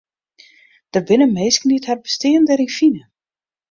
Der binne minsken dy't har bestean deryn fine.